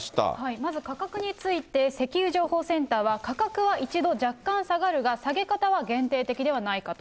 まず、価格について、石油情報センターは価格は一度若干下がるが、下げ方は限定的ではないかと。